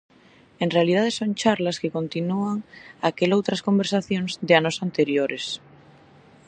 En realidade son charlas que continúan aqueloutras conversacións de anos anteriores.